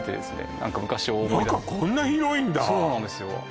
何か昔を中こんな広いんだそうなんですよ